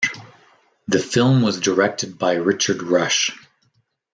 The film was directed by Richard Rush.